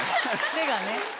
手がね。